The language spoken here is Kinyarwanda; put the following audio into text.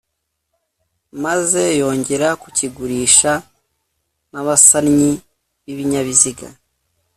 Maze yongera kukigurisha n’abasannyi b'ibinyabiziga